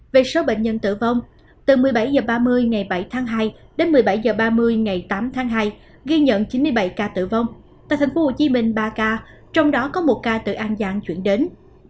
về số bệnh nhân tử vong từ một mươi bảy h ba mươi ngày bảy tháng hai đến một mươi bảy h ba mươi ngày tám tháng hai ghi nhận chín mươi bảy ca tử vong tại tp hcm ba ca trong đó có một ca từ an giang chuyển đến